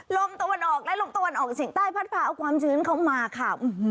ล้อเมตตาวันออกและล้อเมตตาวันออกสิงห์ใต้พัดพาความชื้นเข้ามาค่ะ